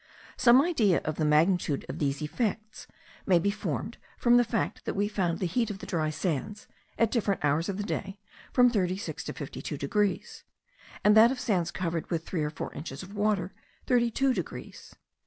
Some idea of the magnitude of these effects may be formed, from the fact that we found the heat of the dry sands, at different hours of the day, from 36 to 52 degrees, and that of sands covered with three or four inches of water 32 degrees.